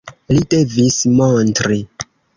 Li devis montri.